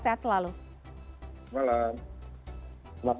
sehat selalu selamat malam